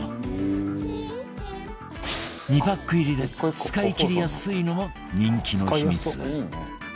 ２パック入りで使い切りやすいのも人気の秘密